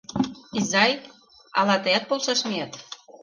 — Изай, ала тыят полшаш миет?